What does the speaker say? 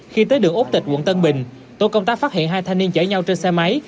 khi tới đường ốc tịch quận tân bình tổ công tác phát hiện hai thanh niên chở nhau trên xe máy